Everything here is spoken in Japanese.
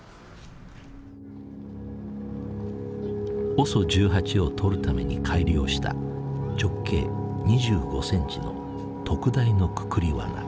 ＯＳＯ１８を捕るために改良した直径２５センチの特大のくくりワナ。